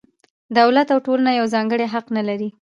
دولت او ټولنه یو ځانګړی حق نه لري.